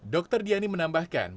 dokter diani menambahkan